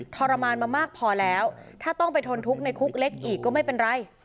ทรมานมามากพอแล้วถ้าต้องไปทนทุกข์ในคุกเล็กอีกก็ไม่เป็นไร